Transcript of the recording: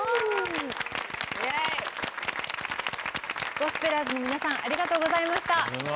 ゴスペラーズの皆さんありがとうございました。